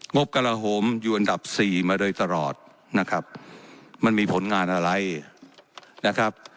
บกระโหมอยู่อันดับสี่มาโดยตลอดนะครับมันมีผลงานอะไรนะครับ